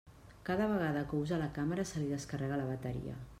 Cada vegada que usa la càmera se li descarrega la bateria.